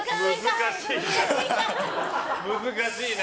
難しいな。